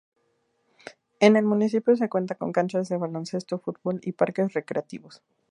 En el municipio se cuenta con canchas de baloncesto, fútbol y parques recreativos.